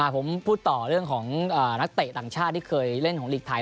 ผมพูดต่อเรื่องของนักเตะต่างชาติที่เคยเล่นของหลีกไทย